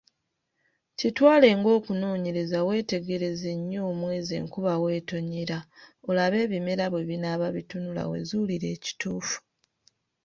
Kitwale ng'okunoonyereza weetegereze nnyo omwezi enkuba weetonyera, olabe ebimera bwe binaaba bitunula weezuulire ekituufu.